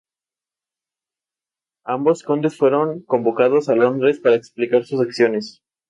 Ambos condes fueron convocados a Londres para explicar sus acciones.